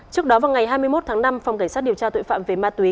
trước đó vào ngày hai mươi một tháng năm phòng cảnh sát điều tra tội phạm về ma túy